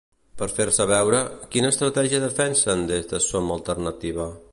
Per fer-se veure, quina estratègia defensen des de Som Alternativa?